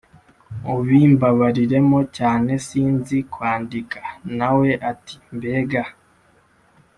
ubimbabariremo cyane sinzi kwandika”. Na we ati: “Mbega